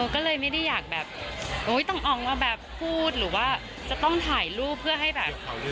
ก็เลยไม่ได้อยากแบบต้องออกมาแบบพูดหรือว่าจะต้องถ่ายรูปเพื่อให้แบบ